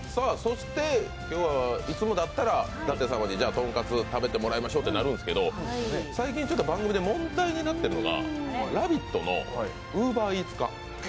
いつもだったら舘様にとんかつを食べてもらいましょうとなるんですけど最近、番組で問題になってるのが「ラヴィット！」のＵｂｅｒＥａｔｓ化。